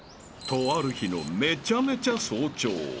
［とある日のめちゃめちゃ早朝］